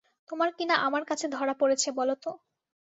তোমার কী না আমার কাছে ধরা পড়েছে বলো তো!